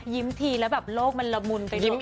ยิ้มทีแล้วแบบโลกมันละมุนไปตรงนั้น